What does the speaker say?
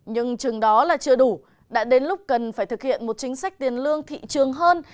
nhưng chừng đó là chưa đủ đã đến lúc cần phải thực hiện một chính sách tiền lương thị trường hơn